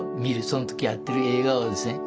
その時にやってる映画をですね